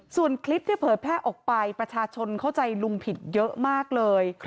ส่วนคลิปที่เผยแพร่ออกไปประชาชนเข้าใจลุงผิดเยอะมากเลย